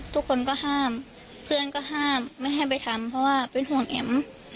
ทุกคนก็ห้ามเพื่อนก็ห้ามไม่ให้ไปทำเพราะว่าเป็นห่วงแอ๋ม